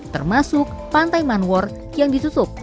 termasuk pantai manwar yang ditutup